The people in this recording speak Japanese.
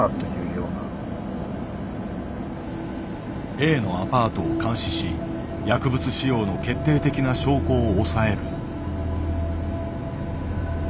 Ａのアパートを監視し薬物使用の決定的な証拠を押さえる。